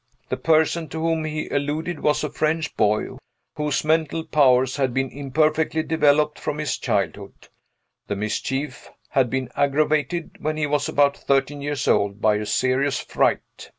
The person to whom he alluded was a French boy, whose mental powers had been imperfectly developed from his childhood. The mischief had been aggravated, when he was about thirteen years old, by a serious fright.